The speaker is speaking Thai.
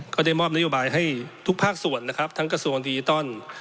ก็ได้มอบนโยบายให้ทุกภาคส่วนนะครับทั้งกระทรวงดิจิทัล